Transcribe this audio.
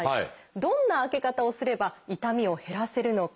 どんな開け方をすれば痛みを減らせるのか。